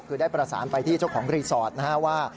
คือได้ประสานไปที่เจ้าของรีสอร์ทนะฮะว่า